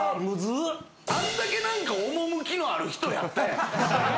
あんだけ趣のある人やったやん！